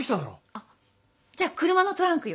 あっじゃあ車のトランクよ。